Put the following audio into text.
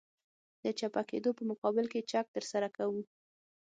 د چپه کېدو په مقابل کې چک ترسره کوو